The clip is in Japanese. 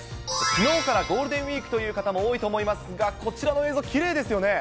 きのうからゴールデンウィークという方も多いと思いますが、こちらの映像、きれいですよね。